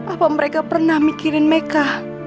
apa mereka pernah mikirin mereka